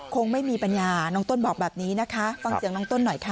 คงไม่มีปัญญาน้องต้นบอกแบบนี้นะคะฟังเสียงน้องต้นหน่อยค่ะ